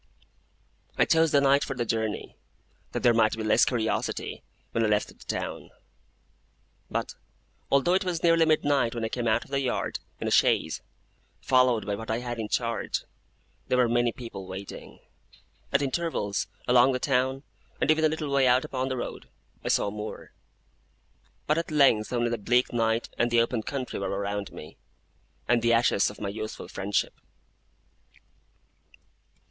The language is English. I chose the night for the journey, that there might be less curiosity when I left the town. But, although it was nearly midnight when I came out of the yard in a chaise, followed by what I had in charge, there were many people waiting. At intervals, along the town, and even a little way out upon the road, I saw more: but at length only the bleak night and the open country were around me, and the ashes of my youthful friendship.